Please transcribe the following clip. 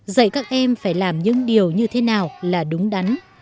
dạy các em phải làm những điều như thế nào là đúng đắn